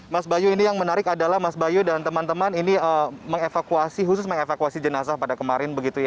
mas bayu ini yang menarik adalah mas bayu dan teman teman ini mengevakuasi khusus mengevakuasi jenazah pada kemarin